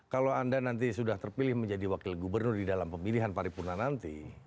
kalau anda nanti sudah terpilih menjadi wakil gubernur di dalam pemilihan paripurna nanti